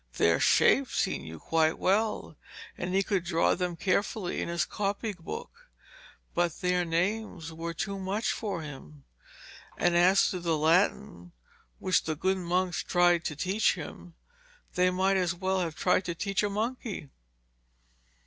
Their shapes he knew quite well, and he could draw them carefully in his copy book, but their names were too much for him. And as to the Latin which the good monks tried to teach him, they might as well have tried to teach a monkey.